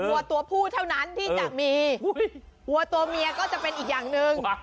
วัวตัวผู้เท่านั้นที่จะมีวัวตัวเมียก็จะเป็นอีกอย่างหนึ่ง